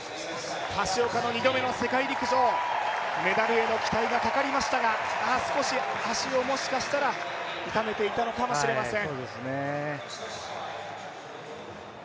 橋岡の２度目の世界陸上、メダルへの期待がかかりましたが少し足をもしかしたら痛めていたのかもしれません。